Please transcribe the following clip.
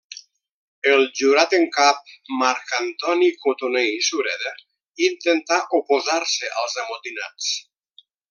El Jurat en Cap Marc Antoni Cotoner i Sureda intentà oposar-se als amotinats.